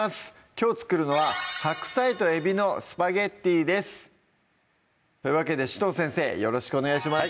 きょう作るのは「白菜とえびのスパゲッティ」ですというわけで紫藤先生よろしくお願いします